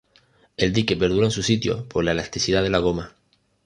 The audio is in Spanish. El dique perdura en su sitio por la elasticidad de la goma.